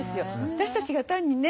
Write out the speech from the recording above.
私たちが単にね